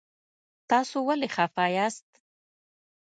تاسو ولې خفه یاست؟